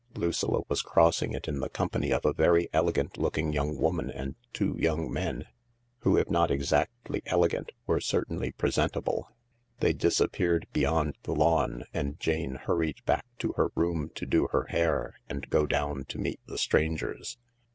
Lucilla was crossing it in the company of a very elegant 4oo king young woman and two young men, who, if not exactly ele gant, were certainly presentable. They disappeared beyond the lawn, and Jane hurried back to her room to do her hair and go down to meet the strangers.